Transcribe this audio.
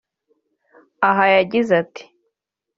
Aha yagize ati